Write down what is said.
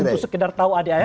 untuk sekedar tahu adik adik